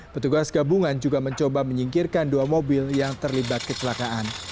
petugas gabungan juga mencoba menyingkirkan dua mobil yang terlibat kecelakaan